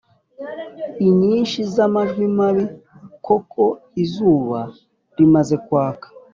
inyinshi z’amajwi mabi koko. Izuba rimaze kwaka